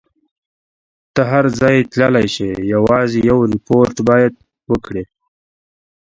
ته هر ځای تللای شې، یوازې یو ریپورټ باید وکړي.